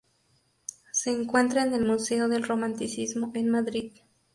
Se encuentra en el Museo del Romanticismo, en Madrid.